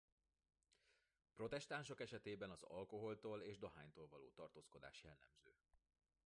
Protestánsok esetében az alkoholtól és dohánytól való tartózkodás jellemző.